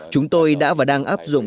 chúng tôi đã và đang áp dụng